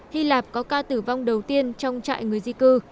hy lạp có ca tử vong đầu tiên trong trại người di cư